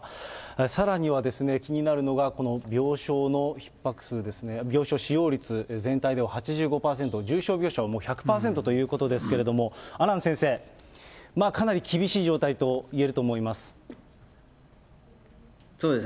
さらには、気になるのが、この病床のひっ迫数ですね、病床使用率、全体では８５％、重症病床はもう１００％ということですけれども、阿南先生、かなり厳しい状態といえると思います。